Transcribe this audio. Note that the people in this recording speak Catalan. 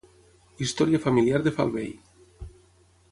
"Història familiar de Falvey".